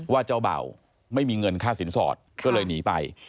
เจ้าเบ่าไม่มีเงินค่าสินสอดก็เลยหนีไป